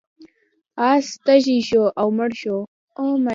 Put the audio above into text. اس تږی شو او مړ شو.